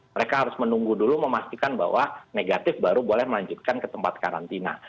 mereka harus menunggu dulu memastikan bahwa negatif baru boleh melanjutkan ke tempat karantina